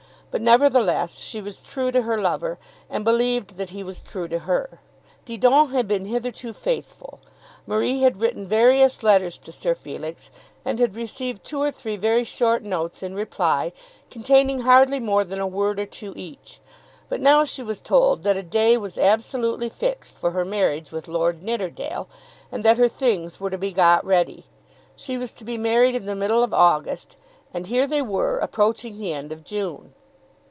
But, nevertheless, she was true to her lover, and believed that he was true to her. Didon had been hitherto faithful. Marie had written various letters to Sir Felix, and had received two or three very short notes in reply, containing hardly more than a word or two each. But now she was told that a day was absolutely fixed for her marriage with Lord Nidderdale, and that her things were to be got ready. She was to be married in the middle of August, and here they were, approaching the end of June.